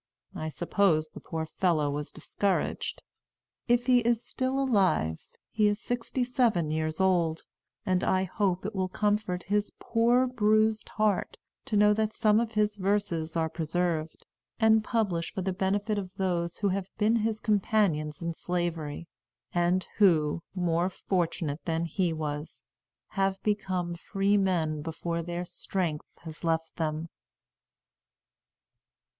I suppose the poor fellow was discouraged. If he is still alive, he is sixty seven years old; and I hope it will comfort his poor, bruised heart to know that some of his verses are preserved, and published for the benefit of those who have been his companions in Slavery, and who, more fortunate than he was, have become freemen before their strength has left them.